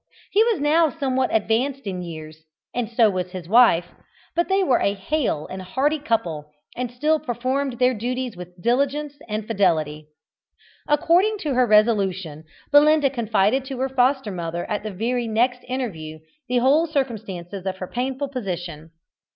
He was now somewhat advanced in years, and so was his wife; but they were a hale and hearty couple, and still performed their duties with diligence and fidelity. According to her resolution, Belinda confided to her foster mother at the very next interview the whole circumstances of her painful position.